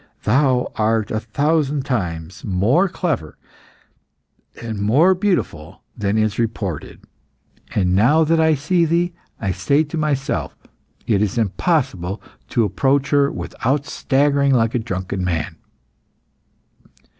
Thou art a thousand times more clever and more beautiful than is reported. And now that I see thee, I say to myself, 'It is impossible to approach her without staggering like a drunken man.